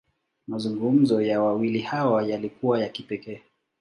Mazungumzo ya wawili hawa, yalikuwa ya kipekee.